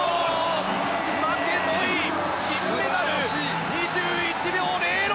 マケボイ、金メダル２１秒０６！